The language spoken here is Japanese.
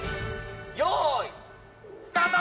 よーいスタート！